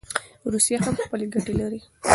روسیه هم خپلي ګټي لري.